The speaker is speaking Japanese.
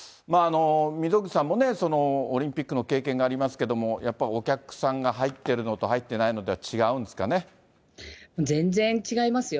溝口さんもね、オリンピックの経験がありますけども、やっぱりお客さんが入ってるのと入ってないのとでは違うんですか全然違いますよ。